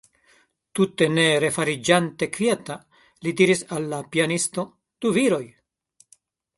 Tute ne refariĝante kvieta, li diris al la pianisto: Du viroj!